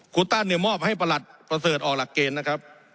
ครูตันเนี่ยมอบให้ประหลัดประเสริฐออกหลักเกณฑ์นะครับ